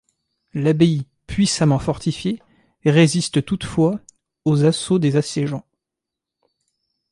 L'abbaye, puissamment fortifiée, résiste toutefois aux assauts des assiégeants.